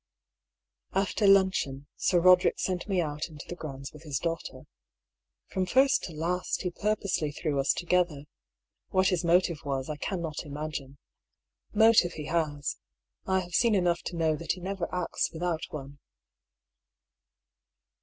After luncheon. Sir Eoderick sent me out into the grounds with his daughter. From first to last he pur posely threw us together. What his motive was I can not imagine. Motive he has: I have seen enough to know that he never acts without one.